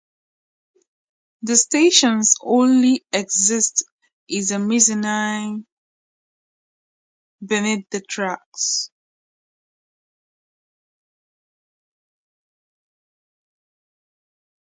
The station's only exit is a mezzanine beneath the tracks.